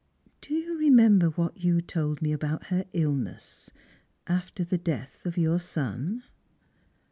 " Do you remember what you told me about her illness, after the death of your son?"